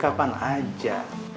kapan aja kapan aja